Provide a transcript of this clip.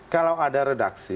kalau ada redaksi